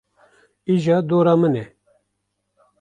Îja dor a min e.